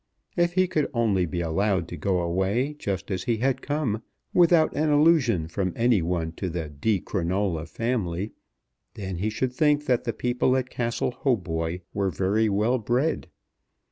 If he could only be allowed to go away just as he had come, without an allusion from any one to the Di Crinola family, then he should think that the people at Castle Hautboy were very well bred.